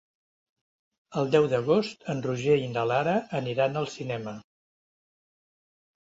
El deu d'agost en Roger i na Lara aniran al cinema.